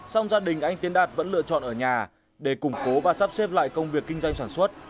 xong gia đình anh tiến đạt vẫn lựa chọn ở nhà để củng cố và sắp xếp lại công việc kinh doanh sản xuất